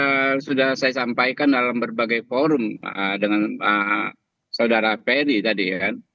ya sudah saya sampaikan dalam berbagai forum dengan saudara ferry tadi kan